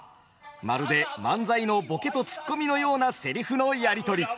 まるで漫才のボケとツッコミのようなセリフのやり取り。